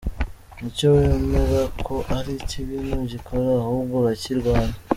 N’icyo wemera ko ari kibi ntugikora, ahubwo urakirwanya.